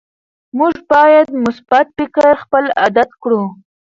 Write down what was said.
موږ باید مثبت فکر خپل عادت کړو